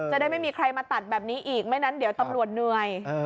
จะได้ไม่มีใครมาตัดแบบนี้อีกไม่งั้นเดี๋ยวตำรวจเหนื่อย